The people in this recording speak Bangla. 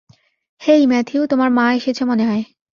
হেই, ম্যাথিউ, তোমার মা এসেছে মনে হয়।